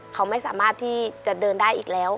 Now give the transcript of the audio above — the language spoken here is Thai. เขาไม่สามารถที่จะเดินได้อีกแล้ว